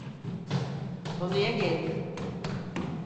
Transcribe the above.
Konuya gelelim.